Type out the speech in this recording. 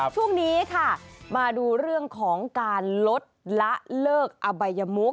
ช่วงนี้ค่ะมาดูเรื่องของการลดละเลิกอบัยมุก